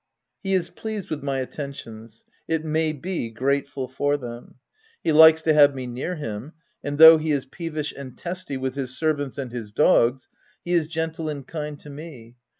He is pleased with my attentions — it may be, grateful for them. He likes to have me near him ; and though he is peevish and testy with his servants and his dogs, he is gentle and kind to me.